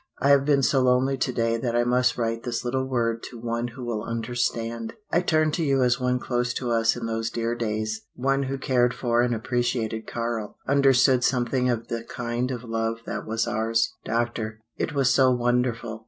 "I have been so lonely to day that I must write this little word to one who will understand. I turn to you as one close to us in those dear days, one who cared for and appreciated Karl, understood something of the kind of love that was ours. Doctor it was so wonderful!